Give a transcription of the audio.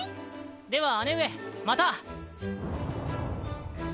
では姉上また！